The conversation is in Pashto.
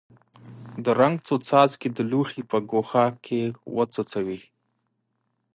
د رنګ څو څاڅکي د لوښي په ګوښه کې وڅڅوئ.